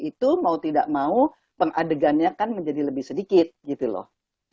itu mau tidak mau pengadegannya kan menjadi lebih sedikit gitu loh